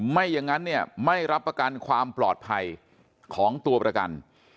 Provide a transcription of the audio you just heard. ไม่อย่างนั้นเนี่ยไม่รับประกันความปลอดภัยของตัวประกัน